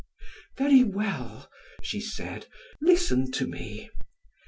"Very well," she said, "listen to me.